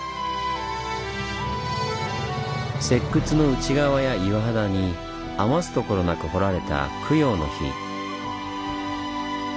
石窟の内側や岩肌に余すところなく彫られた供養の碑。